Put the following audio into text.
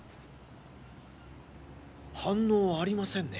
反応ありませんね。